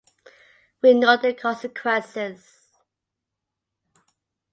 We know the consequences.